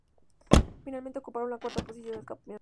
Finalmente ocuparon la cuarta posición del campeonato.